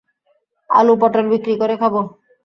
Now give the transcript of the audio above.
আলু-পটল বিক্রি করে খাবো।